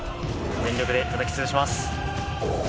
全力でたたきつぶします。